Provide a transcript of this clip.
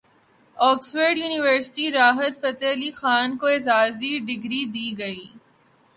Oxford university Rahat Fateh Ali Khan کو اعزازی degree دے گی